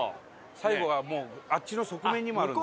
最後はもうあっちの側面にもあるんですよ。